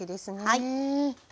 はい。